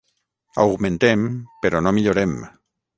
Augmentem, però no millorem.